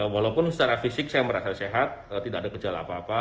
walaupun secara fisik saya merasa sehat tidak ada gejala apa apa